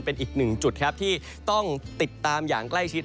เป็นอีกหนึ่งจุดครับที่ต้องติดตามอย่างใกล้ชิด